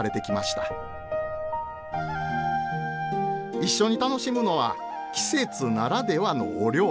一緒に楽しむのは季節ならではのお料理！